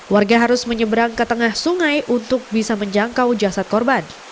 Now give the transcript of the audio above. warga harus menyeberang ke tengah sungai untuk bisa menjangkau jasad korban